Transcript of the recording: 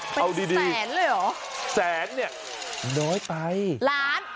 เป็นแสนเลยเหรอแสนเนี้ยน้อยไปล้าน